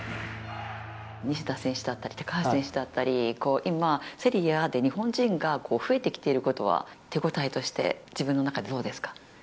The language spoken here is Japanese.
西田選手だったり、高橋選手だったり今、セリエＡで日本人が増えてきていることは手応えとして自分の中でどうですか。